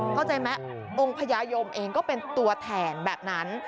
เข้าใจไหมองค์พญายมเองก็เป็นตัวแทนแบบนั้น